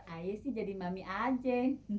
ayah sih jadi mami aja